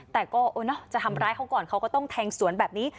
แต่ก็จะทำร้ายเขาก่อนเขาก็ต้องแทงสวนแบบนี้